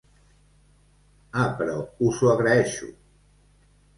Ah, però us ho agraeixo!